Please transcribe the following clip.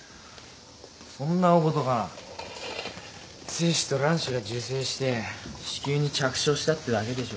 精子と卵子が受精して子宮に着床したってだけでしょ。